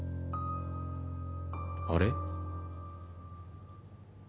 あれ？